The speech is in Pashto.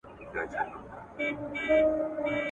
همکاري او خواخوږي زموږ د کلتور یوه برخه ده.